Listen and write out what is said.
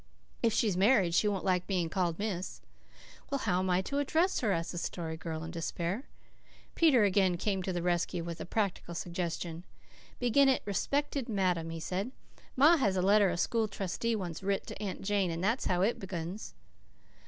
If she's married, she won't like being called Miss." "Well, how am I to address her?" asked the Story Girl in despair. Peter again came to the rescue with a practical suggestion. "Begin it, 'Respected Madam,'" he said. "Ma has a letter a school trustee once writ to my Aunt Jane and that's how it begins."